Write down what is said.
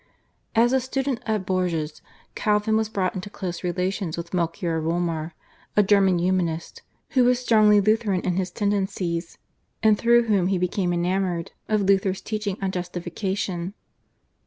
As a student at Bourges, Calvin was brought into close relations with Melchior Wolmar, a German Humanist, who was strongly Lutheran in his tendencies, and through whom he became enamoured of Luther's teaching on Justification.